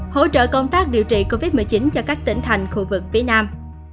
hỗ trợ công tác điều trị covid một mươi chín cho các tỉnh thành khu vực phía nam